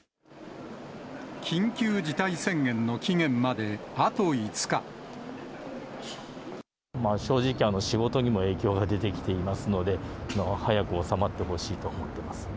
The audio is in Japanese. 緊急事態宣言の期限まであと正直、仕事にも影響が出てきていますので、早く収まってほしいと思ってます。